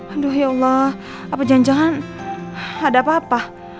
aduh ya allah apa jangan jangan ada apa apa